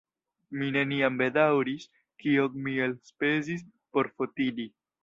Mi neniam bedaŭris, kion mi elspezis por Fotini.